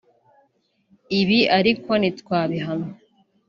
Ibi ariko ntitwabihamya